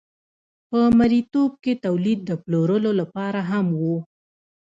په مرئیتوب کې تولید د پلورلو لپاره هم و.